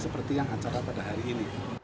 seperti yang acara pada hari ini